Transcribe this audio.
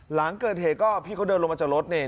หลังเกิดเหตุก็พี่เขาเดินลงมาจากรถนี่